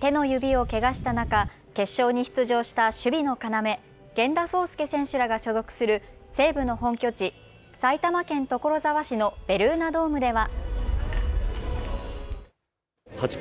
手の指をけがした中、決勝に出場した守備の要、源田壮亮選手らが所属する西武の本拠地、埼玉県所沢市のベルーナドームでは。